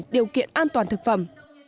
điều kiện an toàn thực phẩm